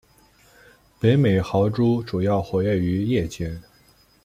北美豪猪主要活跃于夜间。